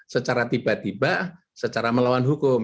secara tiba tiba secara melawan hukum